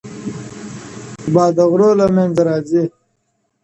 • باد د غرونو له منځه راځي..